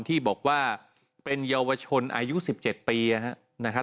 ที่บอกว่าเป็นเยาวชนอายุ๑๗ปีนะครับ